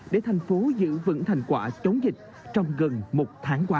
để thành phố giữ vững thành quả chống dịch trong gần một tháng qua